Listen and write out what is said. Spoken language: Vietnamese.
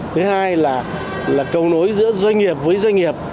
thứ hai là cầu nối giữa doanh nghiệp với doanh nghiệp